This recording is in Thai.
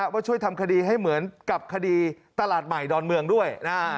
ว่าช่วยทำคดีให้เหมือนกับคดีตลาดใหม่ดอนเมืองด้วย